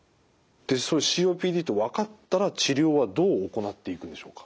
ＣＯＰＤと分かったら治療はどう行っていくんでしょうか？